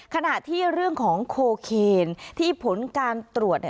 ขณะที่เรื่องของโคเคนที่ผลการตรวจ